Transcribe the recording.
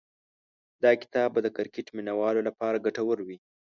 دا کتاب به د کرکټ مینه والو لپاره ګټور وي.